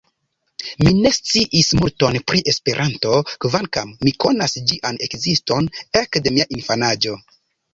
Mi ne sciis multon pri Esperanto, kvankam mi konas ĝian ekziston ekde mia infanaĝo.